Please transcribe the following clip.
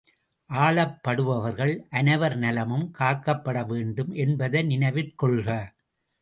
ஆளப்படுபவர்கள் அனைவர் நலமும் காக்கப்பட வேண்டும் என்பதை நினைவிற் கொள்க!